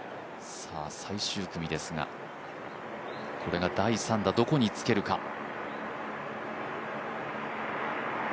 最終組ですが、これが第３打、どこにつけるか。